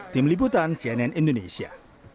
tim liputan cnn indonesia